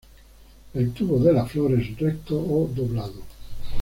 El tubo de la flor es recto o doblado.